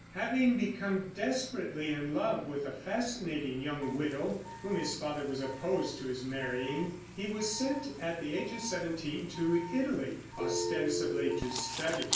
Having become desperately in love with a fascinating young widow, whom his father was opposed to his marrying, he was sent at the age of seventeen to Italy, ostensibly to study.